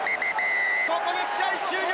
ここで試合終了。